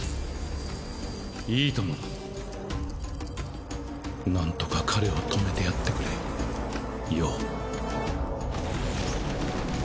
いいともなんとか彼を止めてやってくれ葉。